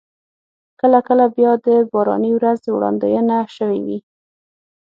کله کله بیا د باراني ورځ وړاندوينه شوې وي.